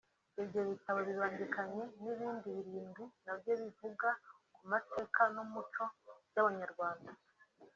Icyo gitabo kibangikanye n’ibindi birindwi na byo bivuga ku mateka n’umuco by’abanyarwanda